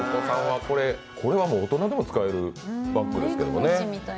これは大人でも使えるバッグですけどね。